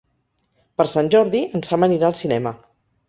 Per Sant Jordi en Sam anirà al cinema.